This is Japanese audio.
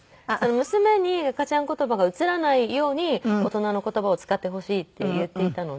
娘に赤ちゃん言葉が移らないように大人の言葉を使ってほしいって言っていたので。